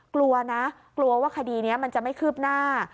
กลัวนะกลัวว่าคดีนี้มันจะไม่คืบหน้า